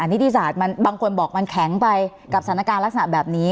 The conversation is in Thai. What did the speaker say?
นิติศาสตร์บางคนบอกมันแข็งไปกับสถานการณ์ลักษณะแบบนี้